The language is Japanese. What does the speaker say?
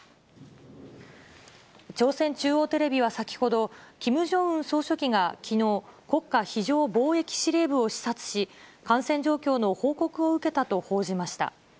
朝鮮中央テレビは先ほど、キム・ジョンウン総書記がきのう、国家非常防疫司令部を視察し、感染状況の報告を受けたと報じました。